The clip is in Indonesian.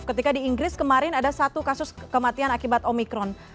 ketika di inggris kemarin ada satu kasus kematian akibat omikron